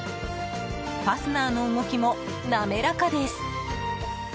ファスナーの動きも滑らかです。